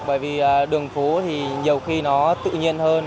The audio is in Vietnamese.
bởi vì đường phố thì nhiều khi nó tự nhiên hơn